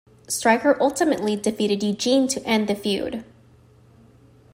Striker ultimately defeated Eugene to end the feud.